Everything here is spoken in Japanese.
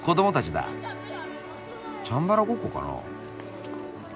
チャンバラごっこかな？